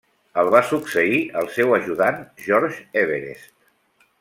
El va succeir el seu ajudant George Everest.